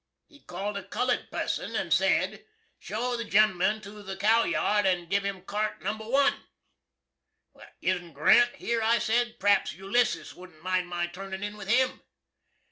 He called a cullud purson, and said, "Show the gen'lman to the cowyard, and giv' him cart number 1." "Isn't Grant here?" I said. "Perhaps Ulyssis wouldn't mind my turnin' in with him."